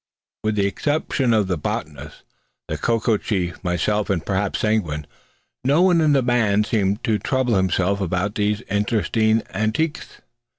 With the exception of the botanist, the Coco chief, myself, and perhaps Seguin, no one in the band seemed to trouble himself about these interesting antiquities.